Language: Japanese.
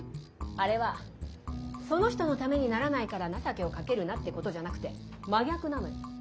あれは「その人の為にならないから情けをかけるな」ってことじゃなくて真逆なのよ。